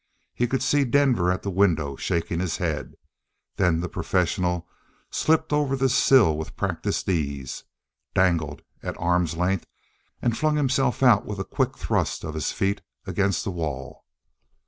He could see Denver at the window shaking his head. Then the professional slipped over the sill with practiced ease, dangled at arm's length, and flung himself out with a quick thrust of his feet against the wall.